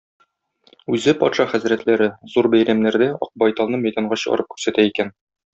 Үзе, патша хәзрәтләре, зур бәйрәмнәрдә Ак байталны мәйданга чыгарып күрсәтә икән.